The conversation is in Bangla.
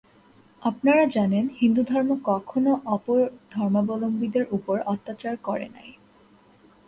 আপনারা জানেন, হিন্দুধর্ম কখনও অপর ধর্মাবলম্বীদের উপর অত্যাচার করে নাই।